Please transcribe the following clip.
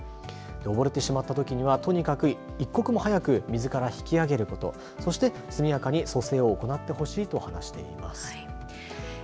溺れてしまったときにはとにかく一刻も早く水から引き揚げることそして速やかに蘇生を行ってほしいと話しています。